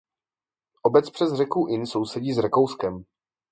Obec přes řeku Inn sousedí s Rakouskem.